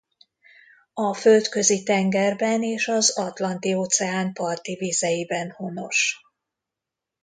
A Földközi-tengerben és az Atlanti-óceán parti vizeiben honos.